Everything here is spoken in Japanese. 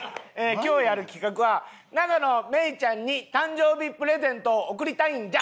今日やる企画は永野芽郁ちゃんに誕生日プレゼントを贈りたいんじゃ！！